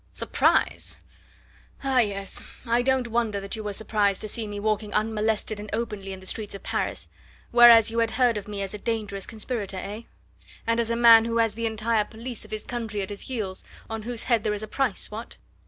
"Surprise? Ah, yes! I don't wonder that you were surprised to see me walking unmolested and openly in the streets of Paris whereas you had heard of me as a dangerous conspirator, eh? and as a man who has the entire police of his country at his heels on whose head there is a price what?"